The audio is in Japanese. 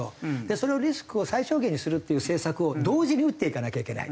そのリスクを最小限にするっていう政策を同時に打っていかなきゃいけない。